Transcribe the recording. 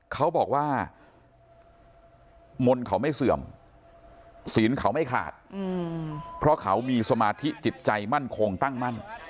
เขาบอกว่ามนต์เขาไม่เสื่อมศีลเขาไม่ขาดเพราะเขามีสมาธิจิตใจมั่นคงตั้งมั่น